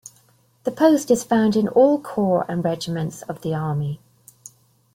The post is found is all corps and regiments of the army.